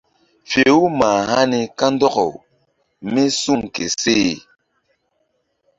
Fe-u mah hani kandɔkaw mí suŋ ke seh.